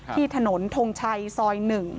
ที่ถนนทงชัยซอย๑